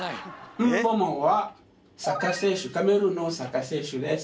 「ンボマ」はサッカー選手カメルーンのサッカー選手です。